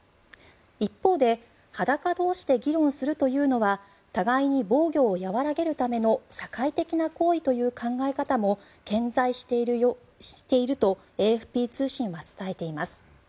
一方で裸同士で議論するというのは互いに防御を和らげるための社会的行為という考え方も健在しているとＡＦＰ通信は伝えています。